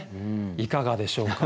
いかがでしょうか？